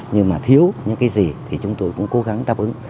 nhưng mà thiếu những cái gì thì chúng tôi cũng cố gắng đáp ứng